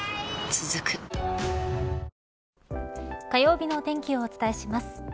続く火曜日のお天気をお伝えします。